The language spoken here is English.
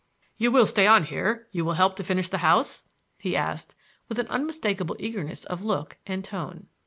"You will stay on here,—you will help me to finish the house?" he asked with an unmistakable eagerness of look and tone.